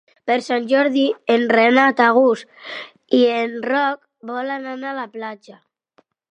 Per Sant Jordi en Renat August i en Roc volen anar a la platja.